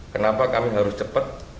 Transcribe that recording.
kenapa kami harus cepat